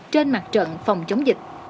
trên mặt trận phòng chống dịch